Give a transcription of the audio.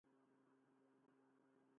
Va ser un altre avatar de Devi Laxmi.